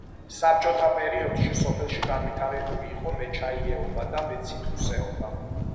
საბჭოთა პერიოდში სოფელში განვითარებული იყო მეჩაიეობა და მეციტრუსეობა.